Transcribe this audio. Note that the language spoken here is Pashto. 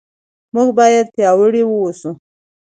موږ باید پیاوړي اوسو.